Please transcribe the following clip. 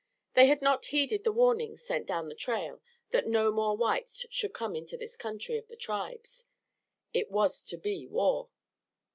They had not heeded the warning sent down the trail that no more whites should come into this country of the tribes. It was to be war.